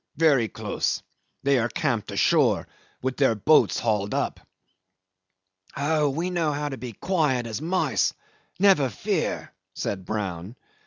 Very close. They are camped ashore with their boats hauled up." "Oh, we know how to be as quiet as mice; never fear," said Brown.